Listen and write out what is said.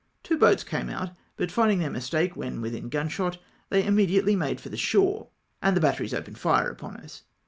Two boats came out, but finding their mistake when within gunshot, they immediately made for the shore, and the batteries opened fire upon us.